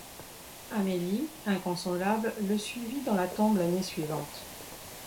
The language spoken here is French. Amélie inconsolable le suivit dans la tombe l'année suivante.